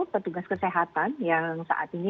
petugas kesehatan yang saat ini